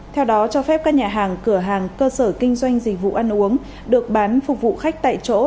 theo đó cho phép các nhà hàng cửa hàng cơ sở kinh doanh dịch vụ ăn uống được bán phục vụ khách tại chỗ